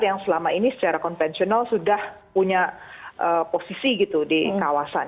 yang selama ini secara konvensional sudah punya posisi gitu di kawasan